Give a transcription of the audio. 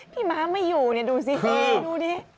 ม้าไม่อยู่เนี่ยดูสิดูดิ